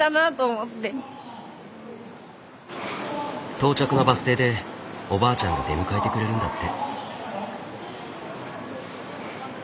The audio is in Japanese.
到着のバス停でおばあちゃんが出迎えてくれるんだって。